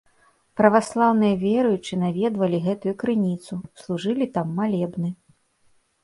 Праваслаўныя веруючыя наведвалі гэтую крыніцу, служылі там малебны.